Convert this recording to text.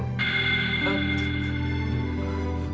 terus gimana dengan istri saya dok